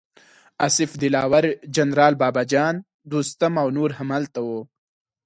اصف دلاور، جنرال بابه جان، دوستم او نور هم هلته وو.